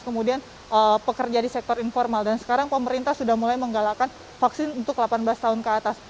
kemudian pekerja di sektor informal dan sekarang pemerintah sudah mulai menggalakkan vaksin untuk delapan belas tahun ke atas